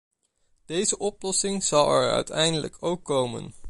Deze oplossing zal er uiteindelijk ook komen.